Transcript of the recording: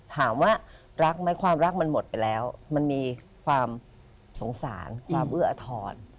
ถามว่ารักไหมความรักมันหมดไปแล้วมันมีความสงสารความเอื้ออทร